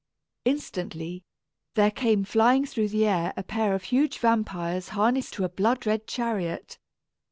Instantly, there came flying through the air a pair of huge vampires harnessed to a blood red chariot.